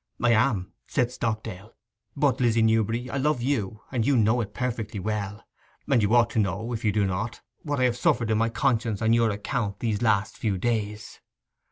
'I am,' said Stockdale. 'But, Lizzy Newberry, I love you, and you know it perfectly well; and you ought to know, if you do not, what I have suffered in my conscience on your account these last few days!